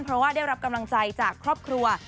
เพราะว่าได้รับกำลังใจจากครอบครัว